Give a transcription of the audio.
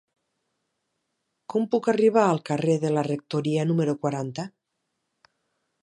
Com puc arribar al carrer de la Rectoria número quaranta?